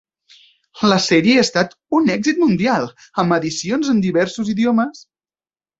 La sèrie ha estat un èxit mundial amb edicions en diversos idiomes.